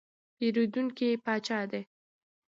پیرودونکی پاچا دی.